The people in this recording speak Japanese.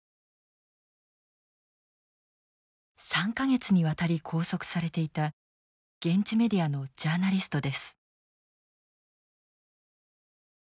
３か月にわたり拘束されていた現地メディアのジャーナリストです。